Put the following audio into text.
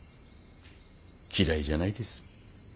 嫌いじゃないです